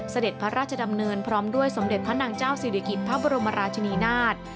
เสด็จพระราชดำเนินพร้อมด้วยสมเด็จพระนางเจ้าศิริกิจพระบรมราชนีนาฏ